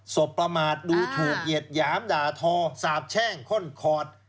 สบประมาทดูถูกเย็ดหยามด่าทอสาบแช่งค่นคอด